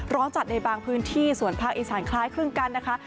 ร้อนจัดในบางพื้นที่ส่วนภาคอีสานคล้ายครึ่งกันนะคะ